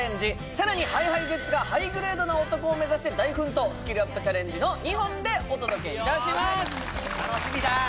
さらにＨｉＨｉＪｅｔｓがハイグレードな男を目指して大奮闘スキルアップチャレンジの２本でお届けいたします・楽しみだ！